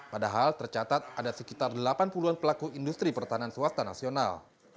padahal tercatat ada sekitar delapan puluh an pelaku industri pertahanan swasta nasional